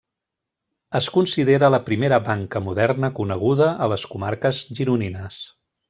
Es considera la primera banca moderna coneguda a les comarques gironines.